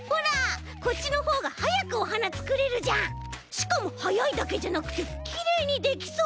しかもはやいだけじゃなくてきれいにできそう！